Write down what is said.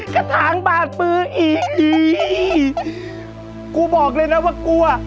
กระถางบาดปื๊กกูบอกเลยนะว่ากู